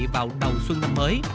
vào đầu xuân năm mới